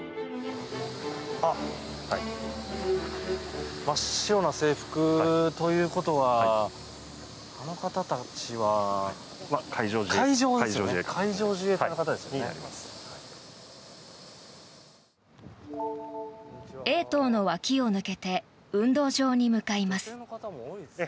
真っ白な制服ということはあの方たちは海上自衛官の方たちですね。